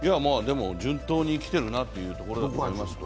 順当に来てるなというところだと思います。